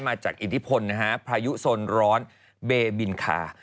มาจากอิทิพลพระยุ้ะสนร้อนแบลี์บิลคา